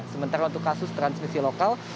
sementara untuk kasus transmisi lokal